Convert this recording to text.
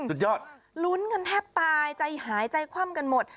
สุดยอดลุ้นกันแทบตายใจหายใจคว่ำกันหมด